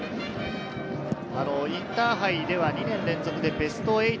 インターハイでは２年連続でベスト８。